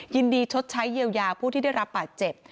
ยินดีชดใช้เยียวยาผู้ที่ได้รับปะเจ็บ